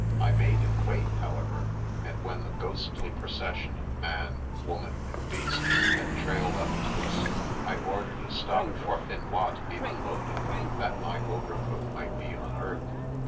I made him wait, how ever, and when the ghostly procession of man, wo man, and beasts had trailed up to us, I ordered a stop for Finois to be unloaded, that my overcoat might be unearthed.